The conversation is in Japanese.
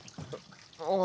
ああ。